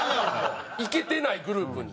イケてないグループに。